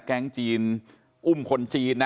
แก๊งจีนอุ้มคนจีนนะ